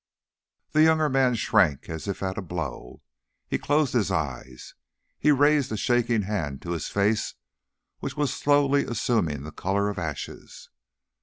The younger man shrank as if at a blow. He closed his eyes; he raised a shaking hand to his face, which was slowly assuming the color of ashes.